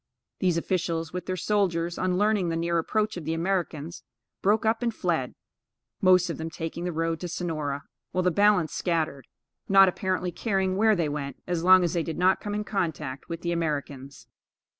These officials, with their soldiers, on learning the near approach of the Americans, broke up and fled, most of them taking the road to Sonora, while the balance scattered, not apparently caring where they went, as long as they did not come in contact with the Americans.